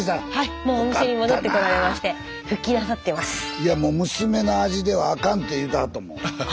いやもう娘の味ではあかんって言うてはったもん。